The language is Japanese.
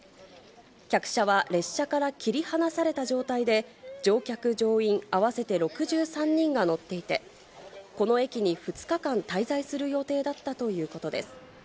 客車は列車から切り離された状態で、乗客・乗員合わせて６３人が乗っていて、この駅に２日間滞在する予定だったということです。